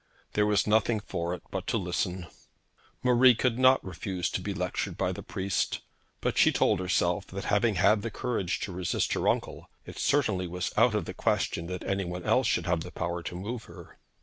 There was nothing for it but to listen. Marie could not refuse to be lectured by the priest. But she told herself that having had the courage to resist her uncle, it certainly was out of the question that any one else should have the power to move her.